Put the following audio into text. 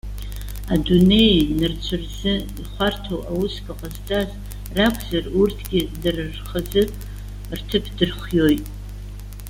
Адунеии нарцәи рзы ихәарҭоу аусқәа ҟазҵаз ракәзар, урҭгьы дара рхазы рҭыԥ дырхиоит.